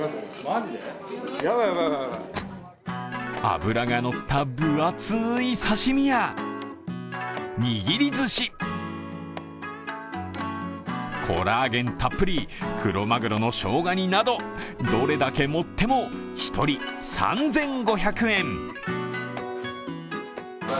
脂がのった分厚い刺身や、握りずし、コラーゲンたっぷりクロマグロのしょうが煮などどれだけ盛っても１人３５００円。